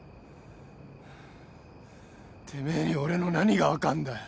てめえに俺の何が分かんだよ。